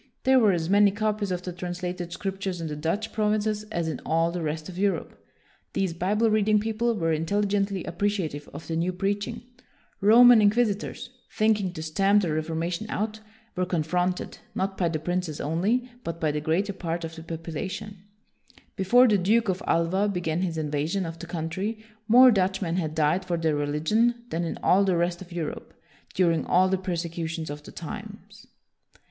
There were as many copies of the translated Scriptures in the Dutch provinces as in all the rest of Europe. These Bible reading people were intelligently appreciative of the new preaching. Roman inquisitors, thinking 178 WILLIAM THE SILENT to stamp the Reformation out, were con fronted, not by the princes only, but by the greater part of the population. Be fore the Duke of Alva began his invasion of the country, more Dutchmen had died for their religion than in all the rest of Europe during all the persecutions of the times.